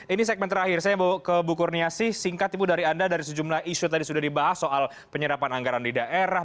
ini segmen terakhir saya mau ke bu kurniasih singkat ibu dari anda dari sejumlah isu tadi sudah dibahas soal penyerapan anggaran di daerah